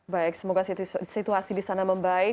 baik semoga situasi disana membaik